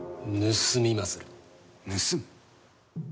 盗む？